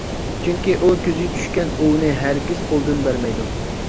چۈنكى ئۇ، كۆزى چۈشكەن ئوۋنى ھەرگىز قولدىن بەرمەيدۇ.